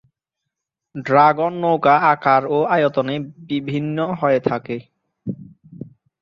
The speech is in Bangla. ড্রাগন নৌকা আকার ও আয়তনে বিভিন্ন হয়ে থাকে।